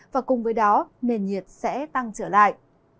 và cùng với đó nền nhiệt sẽ tăng trở lại